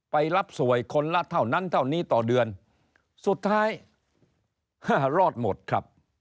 ไปรับสวยคนละเท่านั้นเท่านี้ต่อเดือนสุดท้ายรอดหมดครับ